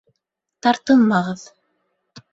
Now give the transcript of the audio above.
Тартынмағыҙ.